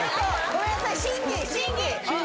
ごめんなさい審議審議